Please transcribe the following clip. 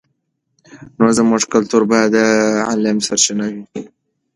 زموږ کلتور باید د علم سرچینه وي.